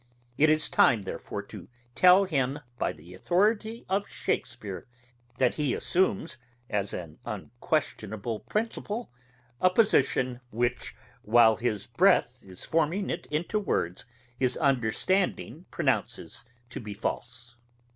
It is time therefore to tell him by the authority of Shakespeare, that he assumes, as an unquestionable principle, a position, which, while his breath is forming it into words, his understanding pronounces to be false.